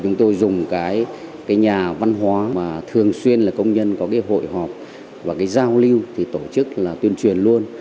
chúng tôi dùng cái nhà văn hóa mà thường xuyên là công nhân có cái hội họp và cái giao lưu thì tổ chức là tuyên truyền luôn